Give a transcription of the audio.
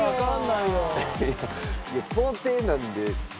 いや工程なんで。